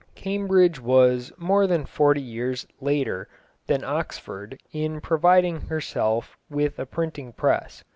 Cambridge was more than forty years later than Oxford in providing herself with a printing press.